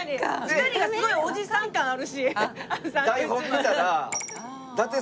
２人がすごいおじさん感あるし。